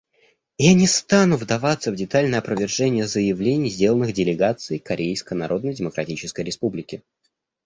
Я не стану вдаваться в детальное опровержение заявлений, сделанных делегацией Корейской Народно-Демократической Республики.